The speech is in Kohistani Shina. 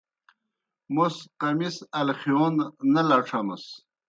موْس قمِص الخِیون نہ لڇھمِس۔